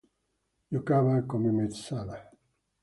Giocava come mezzala.